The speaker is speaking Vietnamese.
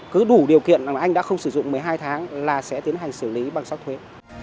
cứ đủ điều kiện rằng anh đã không sử dụng một mươi hai tháng là sẽ tiến hành xử lý bằng sắc thuế